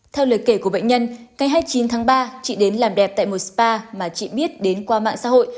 theo lời kể của bệnh nhân ngày hai mươi chín tháng ba chị đến làm đẹp tại một spa mà chị biết đến qua mạng xã hội